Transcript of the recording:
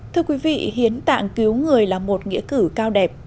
thưa quý vị hiến tạng cứu người là một nghĩa cử cao đẹp